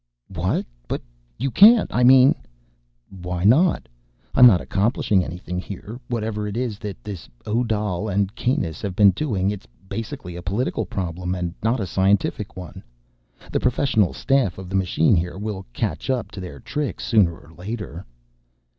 "What? But you can't! I mean—" "Why not? I'm not accomplishing anything here. Whatever it is that this Odal and Kanus have been doing, it's basically a political problem, and not a scientific one. The professional staff of the machine here will catch up to their tricks sooner or later."